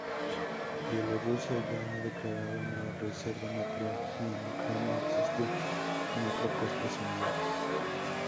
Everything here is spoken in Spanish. Bielorrusia ya ha declarado una reserva natural, y en Ucrania existe una propuesta similar.